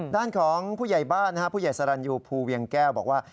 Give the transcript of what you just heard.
ด้านของผู้ใหญ่บ้านผู้ใหญ่สรรยูภูเวียงแก้วบอกว่า